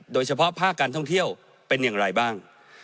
โดยเฉพาะภาคการท่องเที่ยวเป็นอย่างไรบ้าง